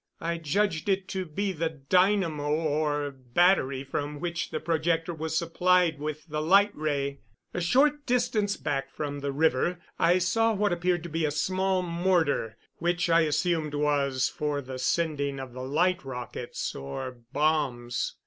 I judged it to be the dynamo or battery from which the projector was supplied with the light ray. A short distance back from the river I saw what appeared to be a small mortar, which I assumed was for the sending of the light rockets, or bombs.